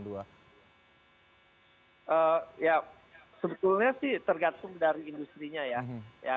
ya sebetulnya sih tergantung dari industri nya ya